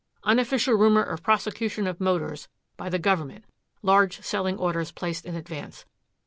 Unofficial rumor of prosecution of Motors by the government large selling orders placed in advance.